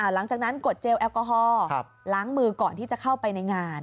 หลังจากนั้นกดเจลแอลกอฮอล์ล้างมือก่อนที่จะเข้าไปในงาน